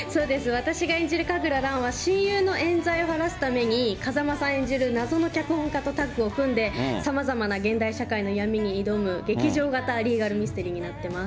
私が演じる神楽蘭は、親友のえん罪を晴らすために、風間さん演じる謎の脚本家とタッグを組んで、さまざまな現代社会の闇に挑む、劇場型リーガルミステリーになっています。